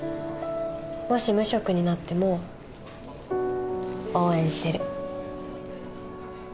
もし無職になっても応援してる。